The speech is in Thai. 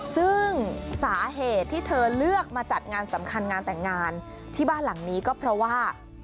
ซึ่งสาเหตุที่เธอเลือกมาจัดงานสำคัญงานแต่งงานที่บ้านหลังนี้ก็เพราะว่า